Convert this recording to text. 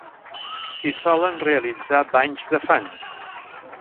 S'hi solen realitzar banys de fang.